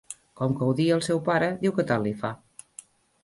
Com que odia al seu pare, diu que tant li fa.